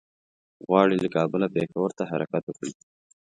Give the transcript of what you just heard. غواړي له کابله پېښور ته حرکت وکړي.